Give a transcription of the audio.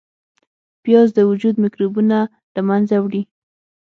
پیاز د وجود میکروبونه له منځه وړي